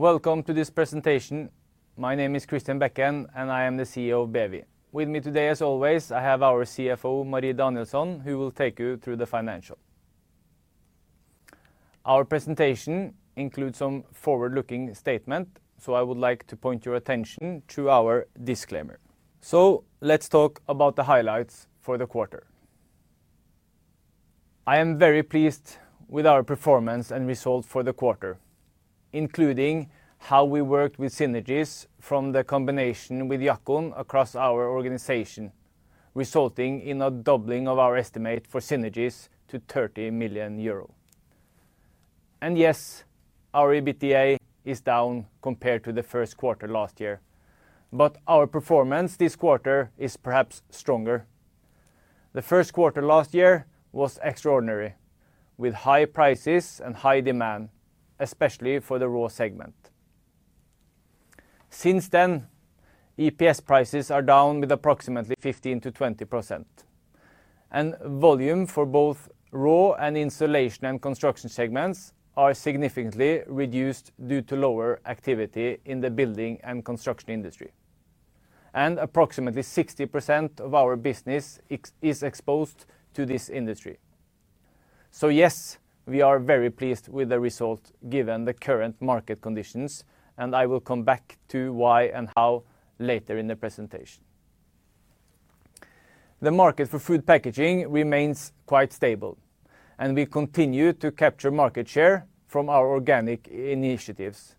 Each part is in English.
Welcome to this presentation. My name is Christian Bekken, I am the CEO of BEWI. With me today, as always, I have our CFO, Marie Danielsson, who will take you through the financial. Our presentation includes some forward-looking statement, I would like to point your attention to our disclaimer. Let's talk about the highlights for the quarter. I am very pleased with our performance and results for the quarter, including how we worked with synergies from the combination with Jackon across our organization, resulting in a doubling of our estimate for synergies to 30 million euro. Yes, our EBITDA is down compared to the first quarter last year, our performance this quarter is perhaps stronger. The first quarter last year was extraordinary, with high prices and high demand, especially for the raw segment. Since then, EPS prices are down with approximately 15%-20%, volume for both raw and insulation and construction segments are significantly reduced due to lower activity in the building and construction industry. Approximately 60% of our business is exposed to this industry. Yes, we are very pleased with the result given the current market conditions, and I will come back to why and how later in the presentation. The market for food packaging remains quite stable, and we continue to capture market share from our organic initiatives,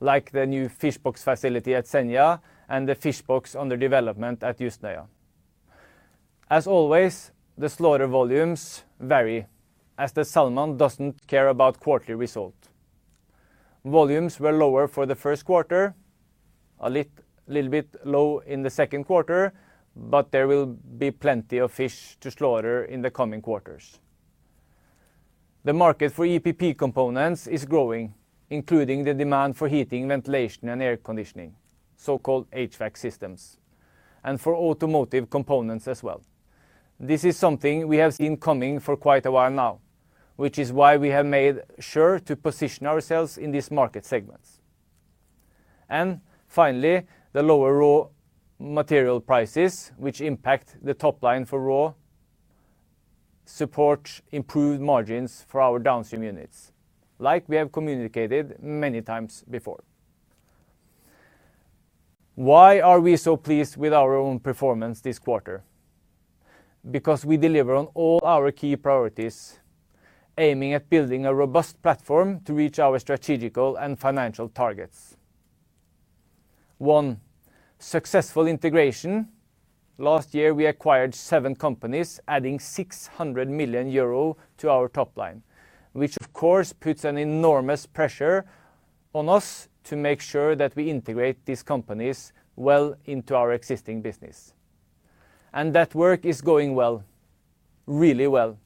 like the new fish box facility at Senja and the fish box under development at Hitra. As always, the slaughter volumes vary as the salmon doesn't care about quarterly result. Volumes were lower for the first quarter, a little bit low in the second quarter, but there will be plenty of fish to slaughter in the coming quarters. The market for EPP components is growing, including the demand for heating, ventilation, and air conditioning, so-called HVAC systems, and for automotive components as well. This is something we have seen coming for quite a while now, which is why we have made sure to position ourselves in these market segments. Finally, the lower raw material prices which impact the top line for raw support improved margins for our downstream units, like we have communicated many times before. Why are we so pleased with our own performance this quarter? Because we deliver on all our key priorities, aiming at building a robust platform to reach our strategical and financial targets. One, successful integration. Last year, we acquired seven companies, adding 600 million euro to our top line, which of course puts an enormous pressure on us to make sure that we integrate these companies well into our existing business. That work is going well, really well.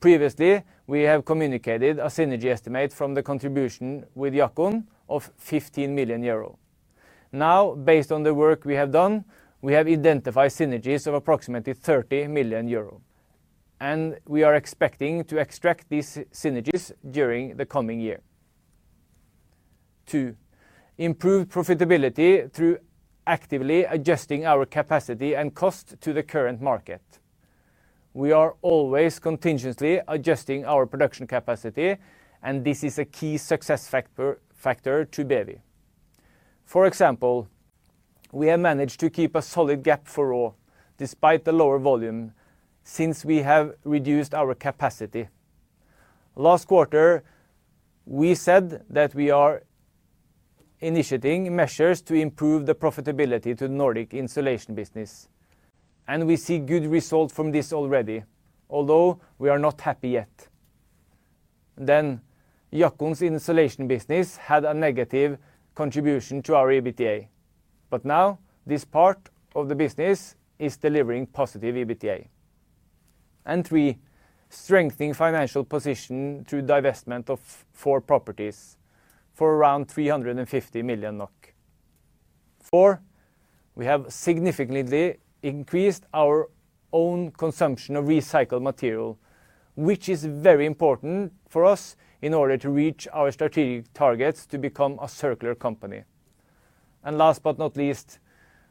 Previously, we have communicated a synergy estimate from the contribution with Jackon of 15 million euro. Based on the work we have done, we have identified synergies of approximately 30 million euro, and we are expecting to extract these synergies during the coming year. 2. improve profitability through actively adjusting our capacity and cost to the current market. We are always continuously adjusting our production capacity, and this is a key success factor to BEWI. For example, we have managed to keep a solid gap for raw despite the lower volume since we have reduced our capacity. Last quarter, we said that we are initiating measures to improve the profitability to the Nordic installation business, we see good results from this already, although we are not happy yet. Jackon's installation business had a negative contribution to our EBITDA. Now this part of the business is delivering positive EBITDA. 3, strengthening financial position through divestment of 4 properties for around 350 million NOK. 4, we have significantly increased our own consumption of recycled material, which is very important for us in order to reach our strategic targets to become a circular company. Last but not least,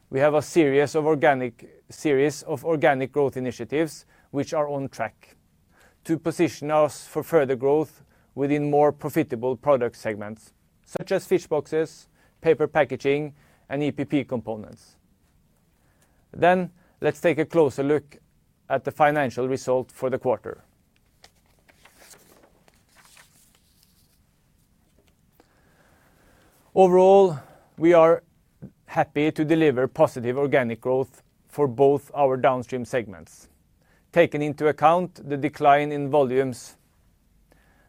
we have a series of organic growth initiatives which are on track to position us for further growth within more profitable product segments such as fish boxes, paper packaging, and EPP components. Let's take a closer look at the financial result for the quarter. Overall, we are happy to deliver positive organic growth for both our downstream segments, taking into account the decline in volumes.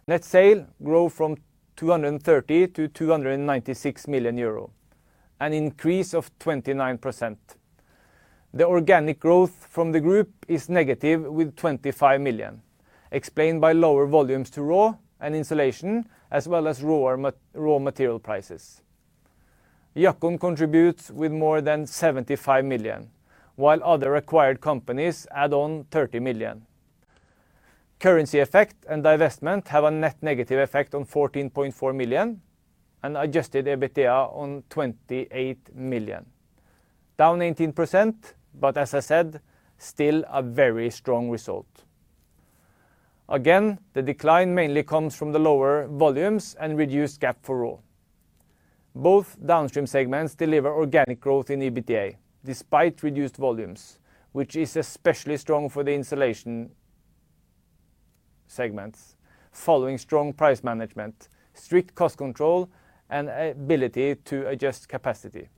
Net sale grow from 230 to 296 million euro, an increase of 29%. The organic growth from the group is negative with 25 million, explained by lower volumes to RAW and Insulation, as well as raw material prices. Jackon contributes with more than 75 million, while other acquired companies add on 30 million. Currency effect and divestment have a net negative effect on 14.4 million and adjusted EBITDA on 28 million. Down 18%, as I said, still a very strong result. Again, the decline mainly comes from the lower volumes and reduced gap for RAW. Both downstream segments deliver organic growth in EBITDA despite reduced volumes, which is especially strong for the installation segments, following strong price management, strict cost control, and ability to adjust capacity.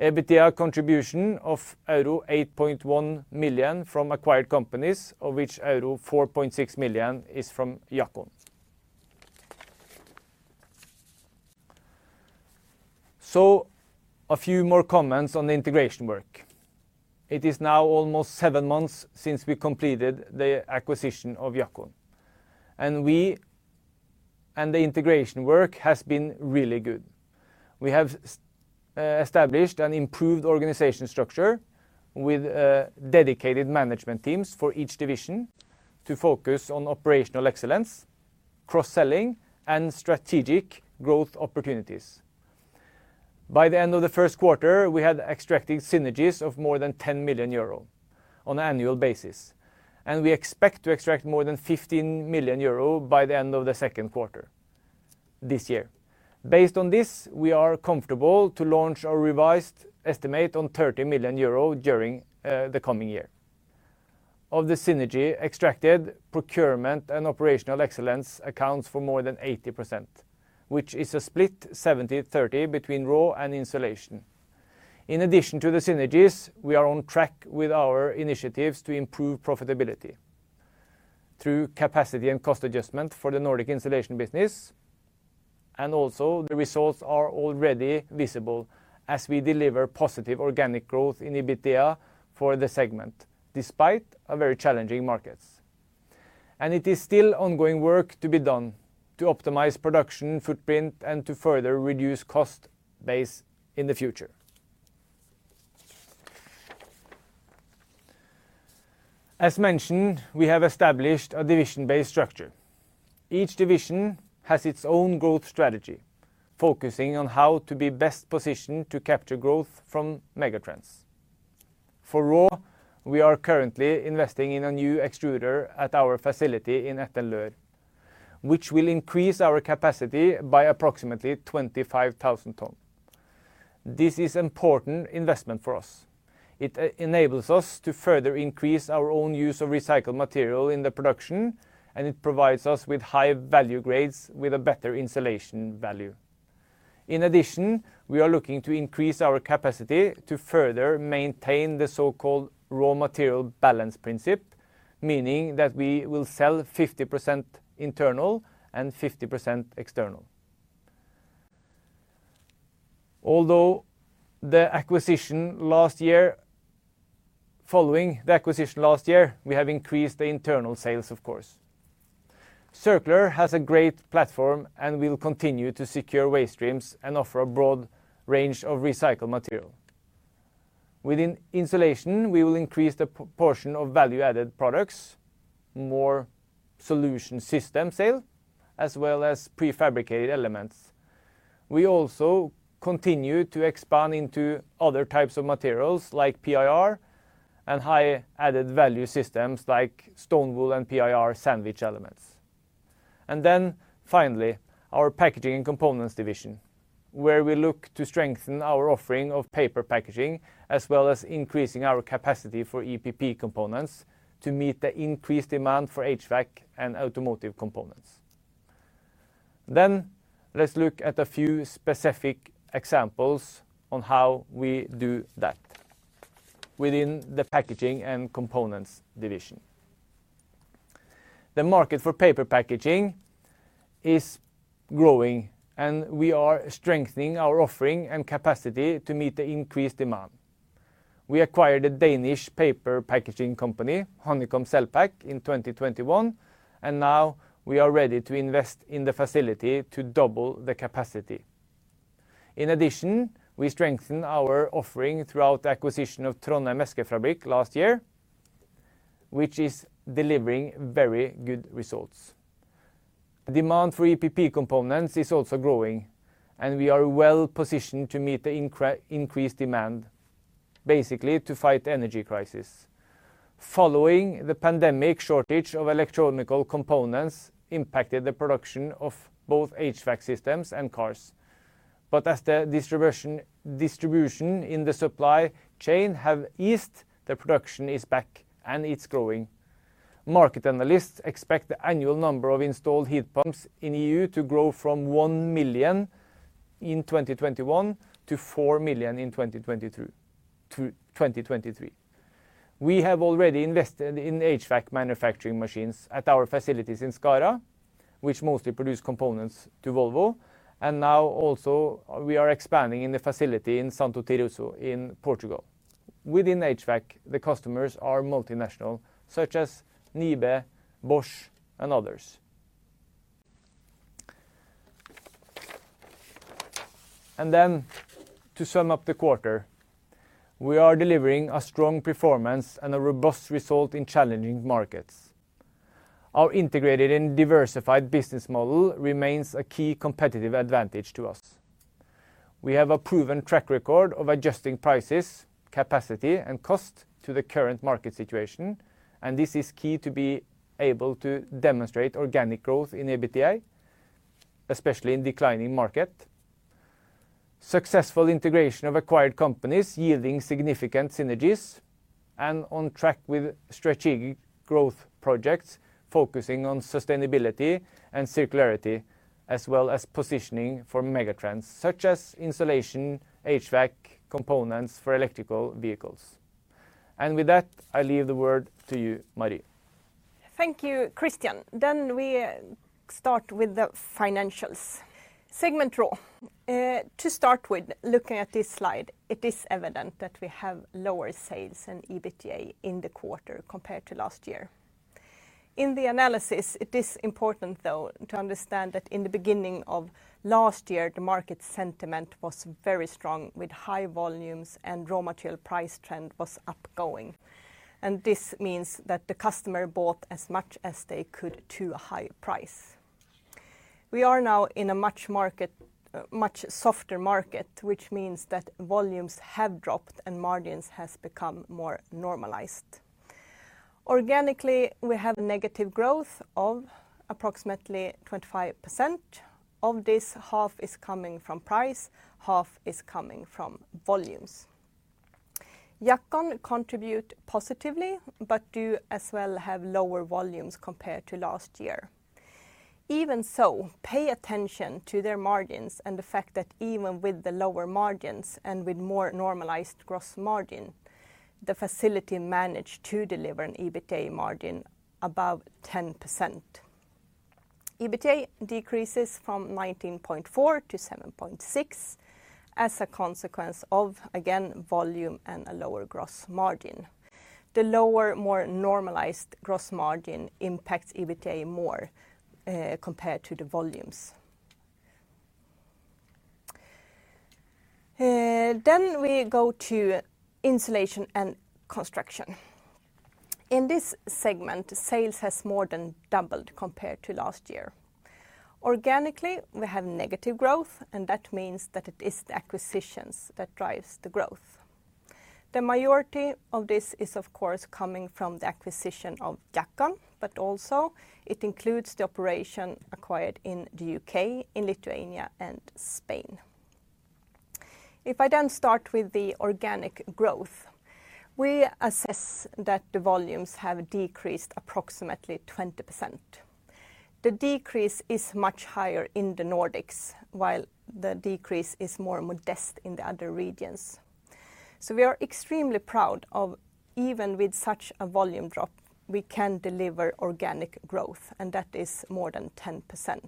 EBITDA contribution of euro 8.1 million from acquired companies, of which euro 4 million is from Jackon. A few more comments on the integration work. It is now almost seven months since we completed the acquisition of Jackon. The integration work has been really good. We have established an improved organization structure with dedicated management teams for each division to focus on operational excellence, cross-selling, and strategic growth opportunities. By the end of the first quarter, we had extracted synergies of more than 10 million euro on an annual basis, and we expect to extract more than 15 million euro by the end of the second quarter this year. Based on this, we are comfortable to launch a revised estimate on 30 million euro during the coming year. Of the synergy extracted, procurement and operational excellence accounts for more than 80%, which is a split 70/30 between raw and installation. In addition to the synergies, we are on track with our initiatives to improve profitability through capacity and cost adjustment for the Nordic installation business. Also the results are already visible as we deliver positive organic growth in EBITDA for the segment, despite a very challenging markets. It is still ongoing work to be done to optimize production footprint and to further reduce cost base in the future. As mentioned, we have established a division-based structure. Each division has its own growth strategy, focusing on how to be best positioned to capture growth from megatrends. For Raw, we are currently investing in a new extruder at our facility in Etten-Leur, which will increase our capacity by approximately 25,000 tons. This is important investment for us. It enables us to further increase our own use of recycled material in the production, and it provides us with high value grades with a better installation value. In addition, we are looking to increase our capacity to further maintain the so-called raw material balance principle, meaning that we will sell 50% internal and 50% external. Following the acquisition last year, we have increased the internal sales, of course. Berga Recycling has a great platform and will continue to secure waste streams and offer a broad range of recycled material. Within insulation, we will increase the portion of value-added products, more solution system sale, as well as prefabricated elements. We also continue to expand into other types of materials like PIR and high added value systems like stone wool and PIR sandwich elements. Finally, our packaging and components division, where we look to strengthen our offering of paper packaging as well as increasing our capacity for EPP components to meet the increased demand for HVAC and automotive components. Let's look at a few specific examples on how we do that within the packaging and components division. The market for paper packaging is growing, and we are strengthening our offering and capacity to meet the increased demand. We acquired a Danish paper packaging company, Honeycomb Cellpack, in 2021, now we are ready to invest in the facility to double the capacity. In addition, we strengthen our offering throughout the acquisition of Trondhjems Eskefabrikk last year, which is delivering very good results. The demand for EPP components is also growing, and we are well positioned to meet the increased demand, basically to fight energy crisis. Following the pandemic, shortage of electronic components impacted the production of both HVAC systems and cars. As the distribution in the supply chain have eased, the production is back and it's growing. Market analysts expect the annual number of installed heat pumps in EU to grow from 1 million in 2021 to 4 million in 2023. We have already invested in HVAC manufacturing machines at our facilities in Skara, which mostly produce components to Volvo. Now also we are expanding in the facility in Santo Tirso in Portugal. Within HVAC, the customers are multinational, such as NIBE, Bosch, and others. To sum up the quarter, we are delivering a strong performance and a robust result in challenging markets. Our integrated and diversified business model remains a key competitive advantage to us. We have a proven track record of adjusting prices, capacity, and cost to the current market situation, and this is key to be able to demonstrate organic growth in EBITDA, especially in declining market. Successful integration of acquired companies yielding significant synergies, and on track with strategic growth projects focusing on sustainability and circularity, as well as positioning for megatrends, such as insulation, HVAC, components for electrical vehicles. With that, I leave the word to you, Marie. Thank you, Christian. We start with the financials. Segment Raw. To start with, looking at this slide, it is evident that we have lower sales and EBITDA in the quarter compared to last year. In the analysis, it is important, though, to understand that in the beginning of last year, the market sentiment was very strong with high volumes and raw material price trend was upgoing. This means that the customer bought as much as they could to a high price. We are now in a much softer market, which means that volumes have dropped and margins has become more normalized. Organically, we have negative growth of approximately 25%. Of this, half is coming from price, half is coming from volumes. Jackon contribute positively, do as well have lower volumes compared to last year. Even so, pay attention to their margins and the fact that even with the lower margins and with more normalized gross margin, the facility managed to deliver an EBITDA margin above 10%. EBITDA decreases from 19.4 to 7.6 as a consequence of, again, volume and a lower gross margin. The lower, more normalized gross margin impacts EBITDA more, compared to the volumes. We go to Insulation and Construction. In this segment, sales has more than doubled compared to last year. Organically, we have negative growth, that means that it is the acquisitions that drives the growth. The majority of this is, of course, coming from the acquisition of Jackon, also it includes the operation acquired in the U.K., in Lithuania, and Spain. If I then start with the organic growth, we assess that the volumes have decreased approximately 20%. The decrease is much higher in the Nordics, while the decrease is more modest in the other regions. We are extremely proud of even with such a volume drop, we can deliver organic growth, and that is more than 10%.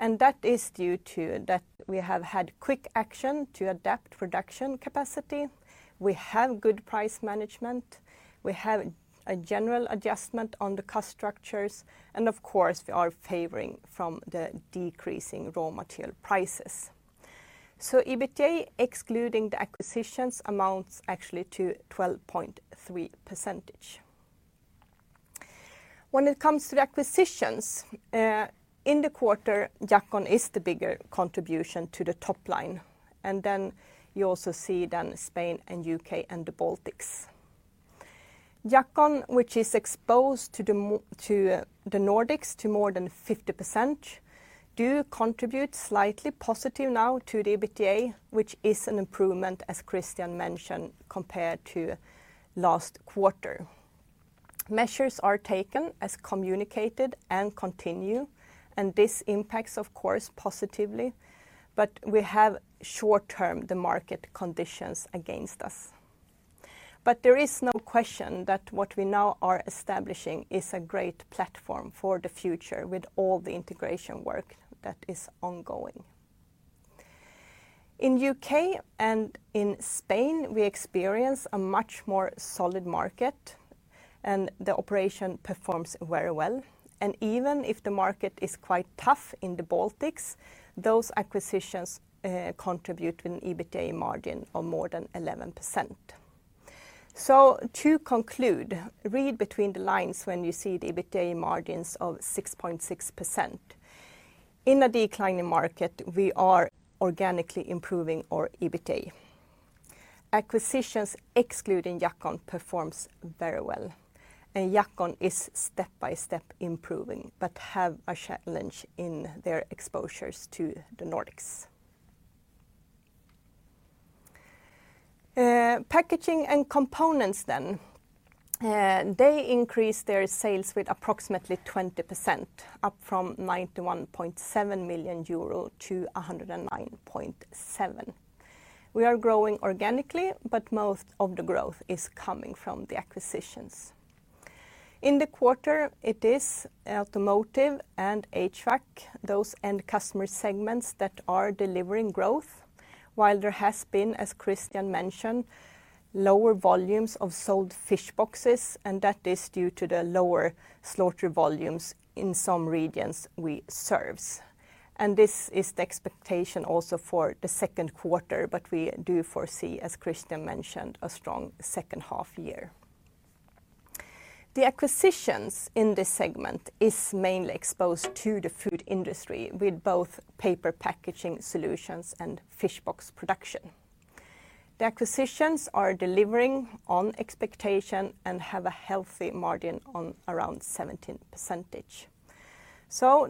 That is due to that we have had quick action to adapt production capacity. We have good price management. We have a general adjustment on the cost structures, and of course, we are favoring from the decreasing raw material prices. EBITDA, excluding the acquisitions, amounts actually to 12.3%. When it comes to the acquisitions, in the quarter, Jackon is the bigger contribution to the top line. Then you also see then Spain and UK and the Baltics. Jackon, which is exposed to the Nordics to more than 50%, do contribute slightly positive now to the EBITDA, which is an improvement, as Christian mentioned, compared to last quarter. Measures are taken as communicated and continue, and this impacts of course, positively, but we have short-term the market conditions against us. There is no question that what we now are establishing is a great platform for the future with all the integration work that is ongoing. In the U.K. and in Spain, we experience a much more solid market and the operation performs very well. Even if the market is quite tough in the Baltics, those acquisitions contribute an EBITDA margin of more than 11%. To conclude, read between the lines when you see the EBITDA margins of 6.6%. In a declining market, we are organically improving our EBITDA. Acquisitions excluding Jackon performs very well. Jackon is step-by-step improving but have a challenge in their exposures to the Nordics. Packaging and Components, they increased their sales with approximately 20%, up from 91.7 million euro to 109.7. We are growing organically, but most of the growth is coming from the acquisitions. In the quarter, it is Automotive and HVAC, those end customer segments that are delivering growth. While there has been, as Christian mentioned, lower volumes of sold fish boxes, and that is due to the lower slaughter volumes in some regions we serves. This is the expectation also for the second quarter, but we do foresee, as Christian mentioned, a strong second half year. The acquisitions in this segment is mainly exposed to the food industry with both paper packaging solutions and fish box production. The acquisitions are delivering on expectation and have a healthy margin on around 17%.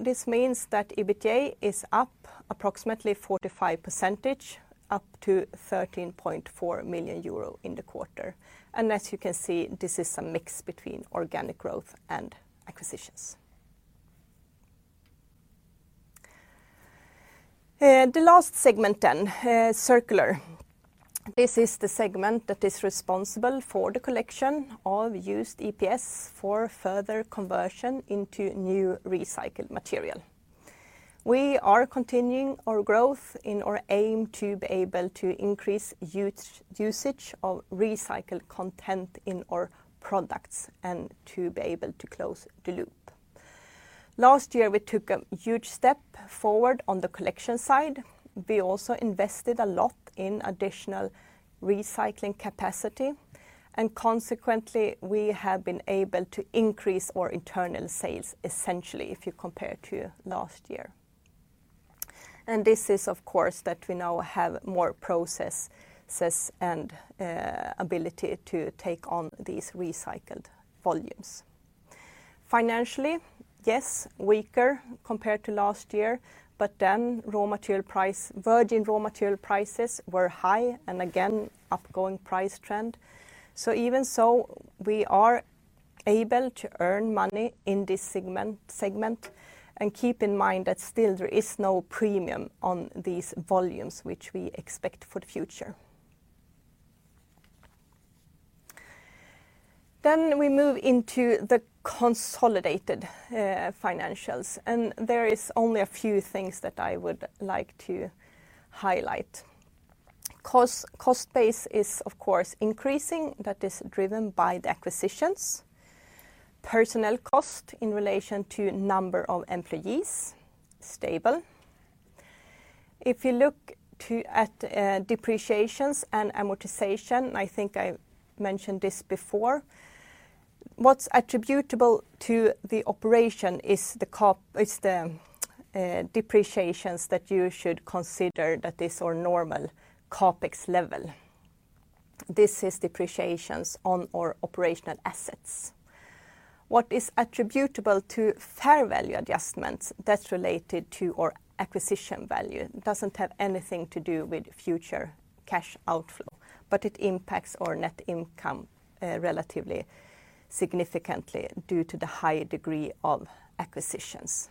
This means that EBITDA is up approximately 45%, up to 13.4 million euro in the quarter. As you can see, this is a mix between organic growth and acquisitions. The last segment, circular. This is the segment that is responsible for the collection of used EPS for further conversion into new recycled material. We are continuing our growth in our aim to be able to increase usage of recycled content in our products and to be able to close the loop. Last year, we took a huge step forward on the collection side. We also invested a lot in additional recycling capacity, and consequently, we have been able to increase our internal sales, essentially, if you compare to last year. This is, of course, that we now have more processes and ability to take on these recycled volumes. Financially, yes, weaker compared to last year, then virgin raw material prices were high and again, upgoing price trend. Even so, we are able to earn money in this segment, and keep in mind that still there is no premium on these volumes which we expect for the future. We move into the consolidated financials, and there is only a few things that I would like to highlight. Cost base is, of course, increasing. That is driven by the acquisitions. Personnel cost in relation to number of employees, stable. If you look at depreciations and amortization, I think I mentioned this before, what's attributable to the operation is the depreciations that you should consider that is our normal CapEx level. This is depreciations on our operational assets. What is attributable to fair value adjustments, that's related to our acquisition value. It doesn't have anything to do with future cash outflow, but it impacts our net income relatively significantly due to the high degree of acquisitions.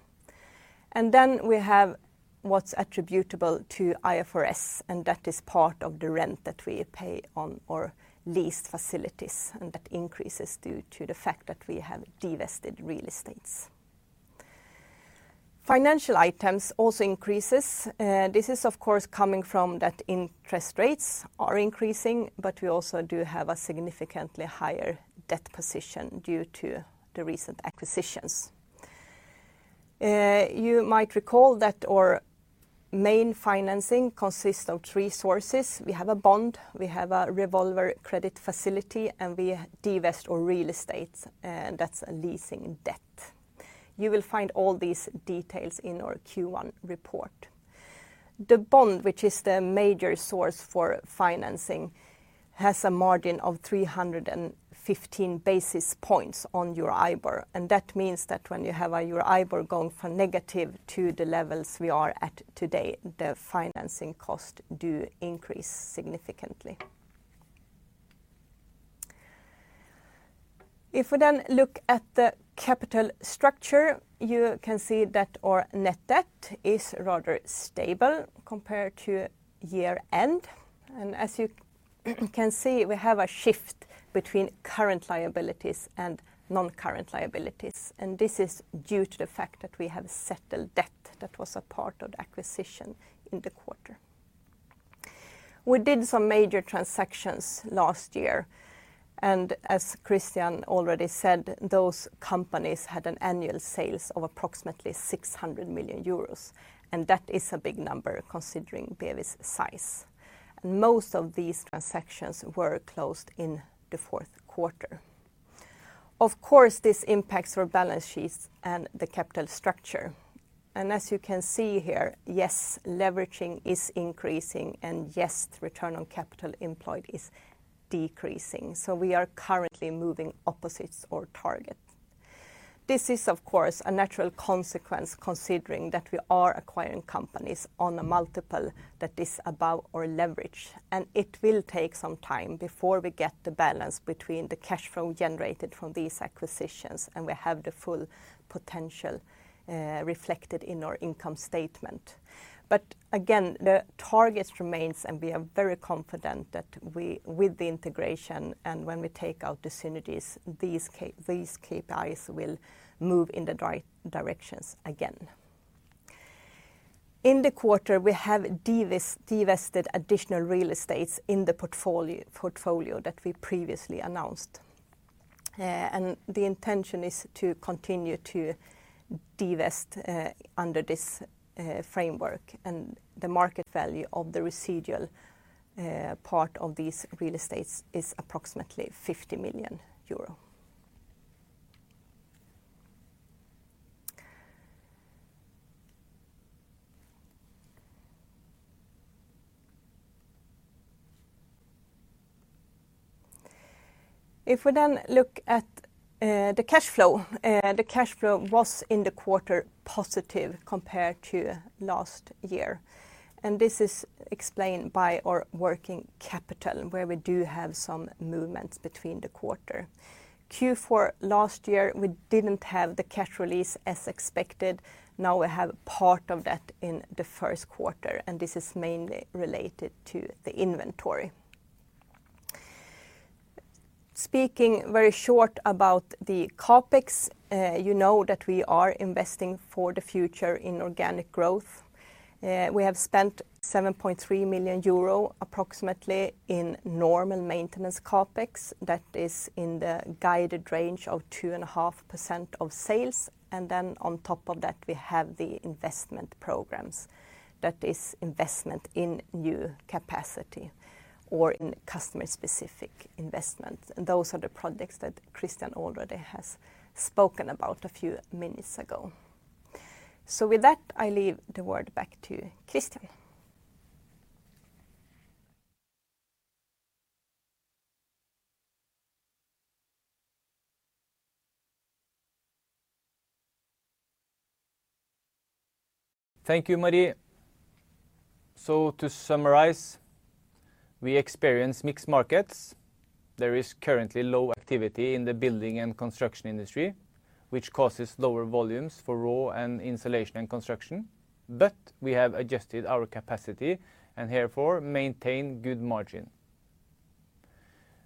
We have what's attributable to IFRS, and that is part of the rent that we pay on our lease facilities, and that increases due to the fact that we have divested real estates. Financial items also increases. This is of course coming from that interest rates are increasing, but we also do have a significantly higher debt position due to the recent acquisitions. You might recall that our main financing consists of three sources. We have a bond, we have a revolver credit facility, and we divest our real estate, and that's a leasing debt. You will find all these details in our Q1 report. The bond, which is the major source for financing, has a margin of 315 basis points on your IBOR, and that means that when you have your IBOR going from negative to the levels we are at today, the financing costs do increase significantly. If we then look at the capital structure, you can see that our net debt is rather stable compared to year-end. As you can see, we have a shift between current liabilities and non-current liabilities. This is due to the fact that we have settled debt that was a part of the acquisition in the quarter. We did some major transactions last year. As Christian already said, those companies had an annual sales of approximately 600 million euros, and that is a big number considering Beijer's size. Most of these transactions were closed in the fourth quarter. Of course, this impacts our balance sheets and the capital structure. As you can see here, yes, leveraging is increasing and yes, return on capital employed is decreasing. We are currently moving opposites or target. This is, of course, a natural consequence considering that we are acquiring companies on a multiple that is above our leverage. It will take some time before we get the balance between the cash flow generated from these acquisitions, and we have the full potential reflected in our income statement. Again, the target remains, and we are very confident that we, with the integration and when we take out the synergies, these KPIs will move in the directions again. In the quarter, we have divested additional real estates in the portfolio that we previously announced. The intention is to continue to divest under this framework, and the market value of the residual part of these real estates is approximately 50 million euro. If we then look at the cash flow, the cash flow was in the quarter positive compared to last year, and this is explained by our working capital, where we do have some movements between the quarter. Q4 last year, we didn't have the cash release as expected. Now we have part of that in the first quarter, and this is mainly related to the inventory. Speaking very short about the CapEx, you know that we are investing for the future in organic growth. We have spent 7.3 million euro approximately in normal maintenance CapEx that is in the guided range of 2.5% of sales. Then on top of that, we have the investment programs that is investment in new capacity or in customer-specific investment. Those are the projects that Christian already has spoken about a few minutes ago. With that, I leave the word back to Christian. Thank you, Marie. To summarize, we experience mixed markets. There is currently low activity in the building and construction industry, which causes lower volumes for raw and insulation and construction. We have adjusted our capacity and therefore maintain good margin.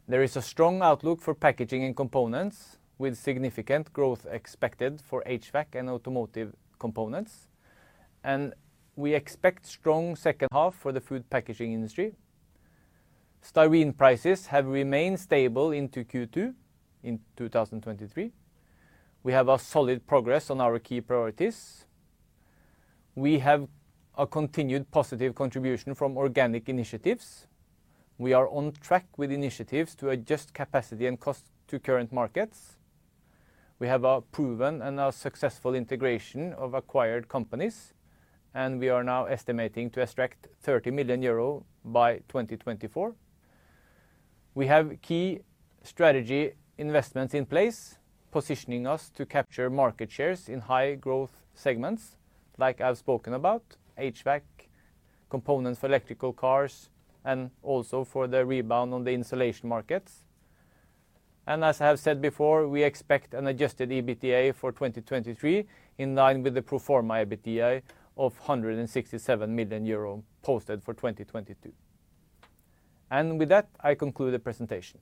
There is a strong outlook for packaging and components with significant growth expected for HVAC and automotive components. We expect strong second half for the food packaging industry. Styrene prices have remained stable into Q2 in 2023. We have a solid progress on our key priorities. We have a continued positive contribution from organic initiatives. We are on track with initiatives to adjust capacity and cost to current markets. We have a proven and a successful integration of acquired companies. We are now estimating to extract 30 million euro by 2024. We have key strategy investments in place, positioning us to capture market shares in high growth segments like I've spoken about, HVAC, components for electrical cars, and also for the rebound on the insulation markets. As I have said before, we expect an adjusted EBITDA for 2023 in line with the pro forma EBITDA of 167 million euro posted for 2022. With that, I conclude the presentation.